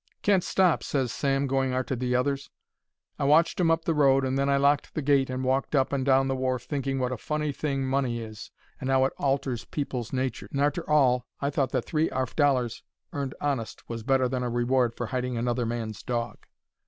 "Can't stop," ses Sam, going arter the others. I watched 'em up the road, and then I locked the gate and walked up and down the wharf thinking wot a funny thing money is, and 'ow it alters people's natures. And arter all, I thought that three arf dollars earned honest was better than a reward for hiding another man's dog.